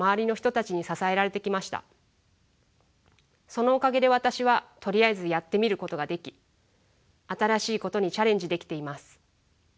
そのおかげで私はとりあえずやってみることができ新しいことにチャレンジできています。